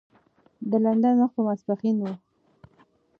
د لندن وخت په ماپښین و.